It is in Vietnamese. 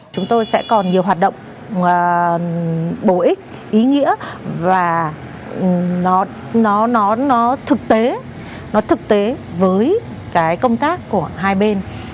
chúng tôi sẽ còn nhiều hoạt động bổ ích ý nghĩa và nó thực tế nó thực tế với công tác của hai đơn vị